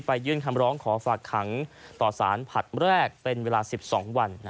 ยื่นคำร้องขอฝากขังต่อสารผัดแรกเป็นเวลา๑๒วัน